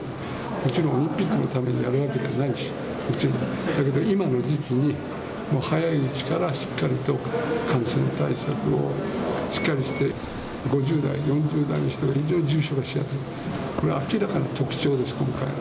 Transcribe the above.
もちろんオリンピックのためにやるわけじゃない、だけど今の時期に、もう早いうちからしっかりと感染対策をしっかりして、５０代、４０代の人が非常に重症化しやすい、これ明らかな特徴です、今回の。